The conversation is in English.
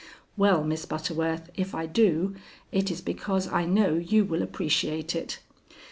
"Well, Miss Butterworth, if I do, it is because I know you will appreciate it.